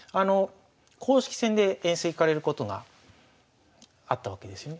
公式戦で遠征行かれることがあったわけですよね？